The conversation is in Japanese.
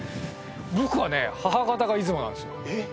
僕はね母方が出雲なんですよ